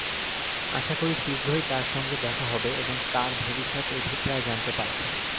আশা করি শীঘ্রই তাঁর সঙ্গে দেখা হবে এবং তাঁর ভবিষ্যৎ অভিপ্রায় জানতে পারব।